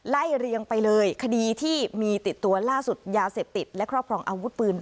เรียงไปเลยคดีที่มีติดตัวล่าสุดยาเสพติดและครอบครองอาวุธปืน